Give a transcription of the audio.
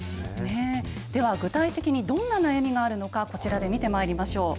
では、具体的にどんな悩みがあるのか、こちらで見てまいりましょう。